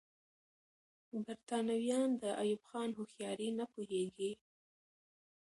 برتانويان د ایوب خان هوښیاري نه پوهېږي.